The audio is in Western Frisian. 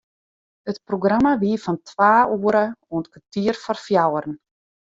It programma wie fan twa oere oant kertier foar fjouweren.